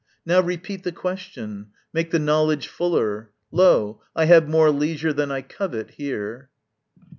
now repeat The question, make the knowledge fuller! Lo, I have more leisure than I covet, here.